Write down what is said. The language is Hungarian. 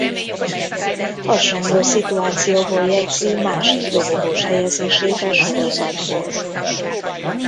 Hasonló szituációból jegyzi másik dobogós helyezését a sorozatból.